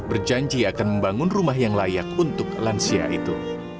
berjanji akan membangun rumah yang layak untuk lansia itu